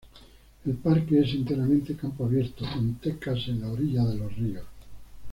El parque es enteramente campo abierto, con tecas en la orilla de los ríos.